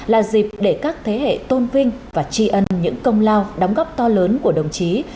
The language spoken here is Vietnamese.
là dịp để các thế hệ tôn vinh và tri ân những công lao đóng góp to lớn của đồng chí